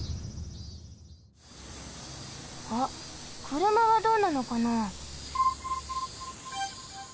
あっくるまはどうなのかな？